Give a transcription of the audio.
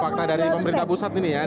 fakta dari pemerintah pusat ini ya